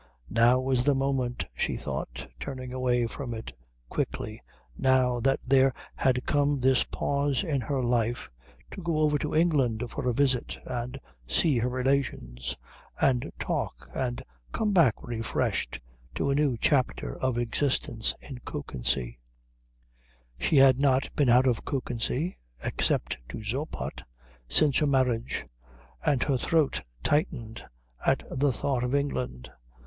Now was the moment, she thought, turning away from it quickly, now that there had come this pause in her life, to go over to England for a visit and see her relations and talk and come back refreshed to a new chapter of existence in Kökensee. She had not been out of Kökensee, except to Zoppot, since her marriage, and her throat tightened at the thought of England.